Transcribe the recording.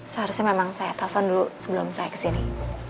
seharusnya memang saya telepon dulu sebelum saya kesini